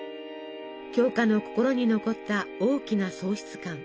鏡花の心に残った大きな喪失感。